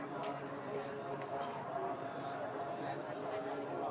โทรโทรโทร